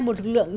một lực lượng